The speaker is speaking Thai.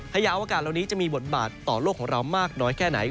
ยาวอวกาศเหล่านี้จะมีบทบาทต่อโลกของเรามากน้อยแค่ไหน